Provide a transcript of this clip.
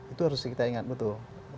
itu harus kita ingat betul